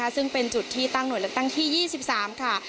ซึ่งเป็นจุดที่ตั้งหน่วยเลือกตั้งที่๒๓ค่ะ